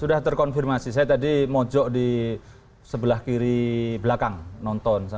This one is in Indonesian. sudah terkonfirmasi saya tadi mojok di sebelah kiri belakang nonton